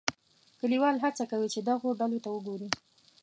لیکوال هڅه کوي چې دغو ډلو ته وګوري.